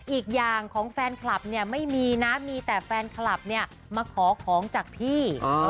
อีกอย่างของแฟนคลับเนี่ยไม่มีนะมีแต่แฟนคลับเนี่ยมาขอของจากพี่